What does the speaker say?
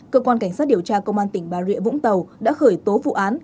cơ quan cảnh sát điều tra công an tỉnh bà rịa vũng tàu đã khởi tố vụ án